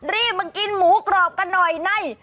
รีบมากินหมูกรอบกันหน่อยใน